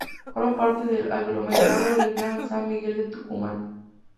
Forma parte del aglomerado del Gran San Miguel de Tucumán.